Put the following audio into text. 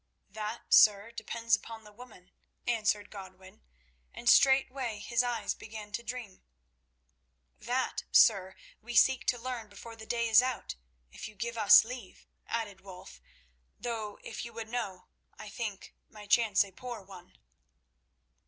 "That, sir, depends upon the woman," answered Godwin, and straightway his eyes began to dream. "That, sir, we seek to learn before the day is out, if you give us leave," added Wulf; "though, if you would know, I think my chance a poor one."